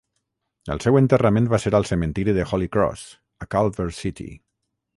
El seu enterrament va ser al cementiri de Holy Cross, a Culver City.